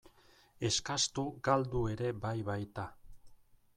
Eskastu galdu ere bai baita.